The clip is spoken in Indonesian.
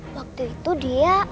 waktu itu dia